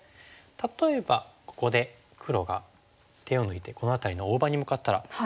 例えばここで黒が手を抜いてこの辺りの大場に向かったらどうでしょう。